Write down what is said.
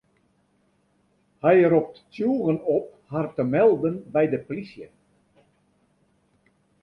Hy ropt tsjûgen op har te melden by de plysje.